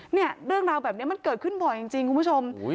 เนี่ยเรื่องราวแบบนี้มันเกิดขึ้นบ่อยจริงคุณผู้ชม